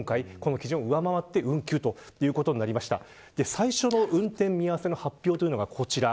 最初の運転見合わせの発表がこちら。